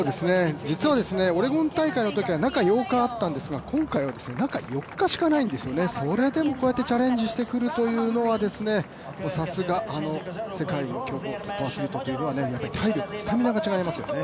実はオレゴン大会のときは中８日あったんですけども今回は中４日しかないんですよね、それでもチャレンジしてくるというのはさすが世界の強豪トップアスリートというのは体力、スタミナが違いますよね。